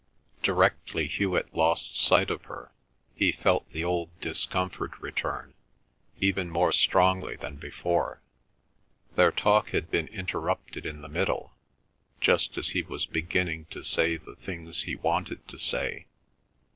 Directly Hewet lost sight of her, he felt the old discomfort return, even more strongly than before. Their talk had been interrupted in the middle, just as he was beginning to say the things he wanted to say.